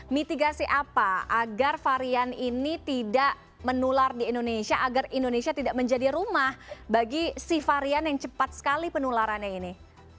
mitigasi apa agar varian ini tidak menular di indonesia agar indonesia tidak menjadi rumah bagi si varian yang cepat sekali penularannya ini